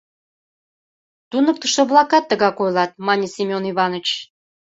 — Туныктышо-влакат тыгак ойлат, — мане Семён Иваныч.